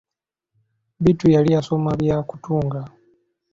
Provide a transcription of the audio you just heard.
Bittu yali yasoma bya kutunga!